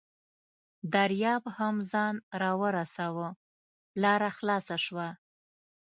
دریاب هم ځان راورساوه، لاره خلاصه شوه.